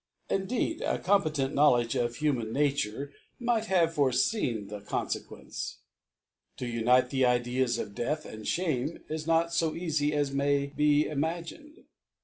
Indeed a competent Knowkdge of Human Nature might have forefcen the Confequence. To unite the Ideas of Death and Shame is not lb eafy as may be imagined.